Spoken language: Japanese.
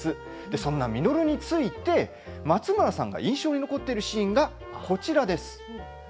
そんな稔について松村さんが印象に残っているシーンがこちらです。